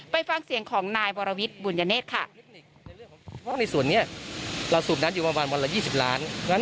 ฟังเสียงของนายวรวิทย์บุญญเนธค่ะ